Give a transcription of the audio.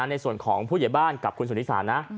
ในส่วนของผู้ใหญ่บ้านกับคุณสุนิสานะ